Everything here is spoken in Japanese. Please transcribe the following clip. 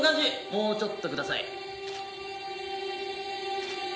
もうちょっと下さい。